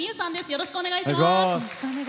よろしくお願いします。